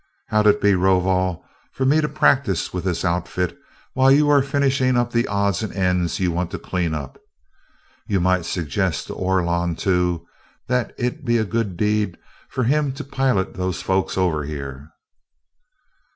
How'd it be, Rovol, for me to practice with this outfit while you are finishing up the odds and ends you want to clean up? You might suggest to Orlon, too, that it'd be a good deed for him to pilot those folks over here."